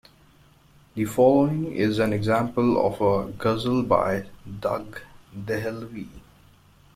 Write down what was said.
The following is an example of a Ghazal by Daag Dehelvi.